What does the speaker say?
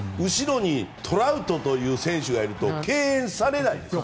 後ろにトラウトという選手がいると敬遠されない。